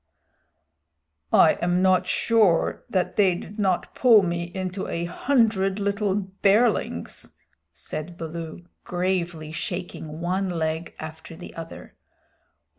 "I am not sure that they did not pull me into a hundred little bearlings," said Baloo, gravely shaking one leg after the other.